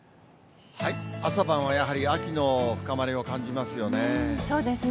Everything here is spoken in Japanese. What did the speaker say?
朝晩はやはり秋の深まりを感そうですね。